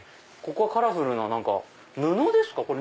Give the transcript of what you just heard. ここはカラフルな布ですか？